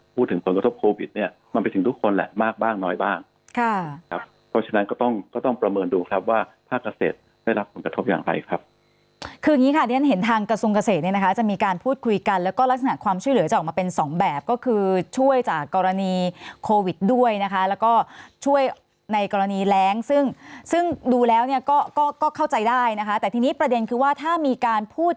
เพราะฉะนั้นก็ต้องประเมินดูครับว่าภาคเกษตรได้รับผลกระทบอย่างไรครับคืออย่างงี้ค่ะที่ฉันเห็นทางกระทรวงเกษตรเนี่ยนะคะจะมีการพูดคุยกันแล้วก็ลักษณะความช่วยเหลือจะออกมาเป็นสองแบบก็คือช่วยจากกรณีโควิดด้วยนะคะแล้วก็ช่วยในกรณีแรงซึ่งดูแล้วก็เข้าใจได้นะคะแต่ทีนี้ประเด็นคือว่าถ้ามีการ